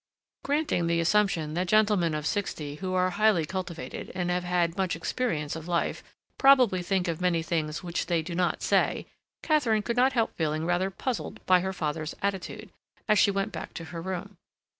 Granting the assumption that gentlemen of sixty who are highly cultivated, and have had much experience of life, probably think of many things which they do not say, Katharine could not help feeling rather puzzled by her father's attitude, as she went back to her room.